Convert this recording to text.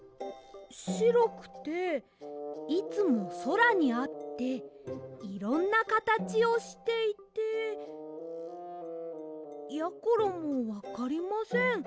しろくていつもそらにあっていろんなかたちをしていてやころもわかりません。